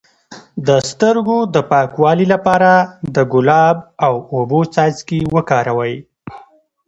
د سترګو د پاکوالي لپاره د ګلاب او اوبو څاڅکي وکاروئ